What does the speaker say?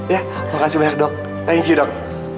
ya makasih banyak dok thank you dok